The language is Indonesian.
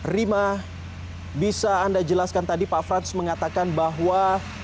rima bisa anda jelaskan tadi pak frans mengatakan bahwa